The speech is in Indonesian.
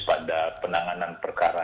pada penanganan perkara